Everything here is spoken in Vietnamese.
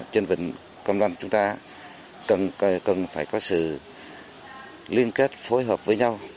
trên vịnh cam ranh chúng ta cần phải có sự liên kết phối hợp với nhau